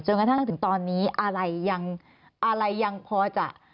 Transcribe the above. จนกระทั่งถึงตอนนี้อะไรยังพอจะ